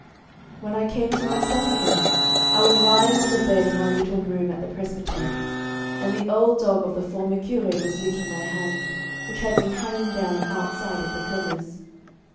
When I came to myself again I was lying on the bed in my little room at the presbytery, and the old dog of the former curé was licking my hand, which had been hanging down outside of the covers.